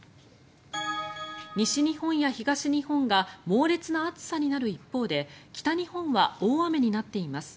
西日本や東日本が猛烈な暑さになる一方で北日本は大雨になっています。